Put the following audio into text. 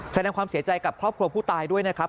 แสดงความเสียใจกับครอบครัวผู้ตายด้วยนะครับ